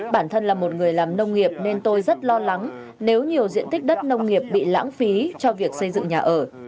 bản thân là một người làm nông nghiệp nên tôi rất lo lắng nếu nhiều diện tích đất nông nghiệp bị lãng phí cho việc xây dựng nhà ở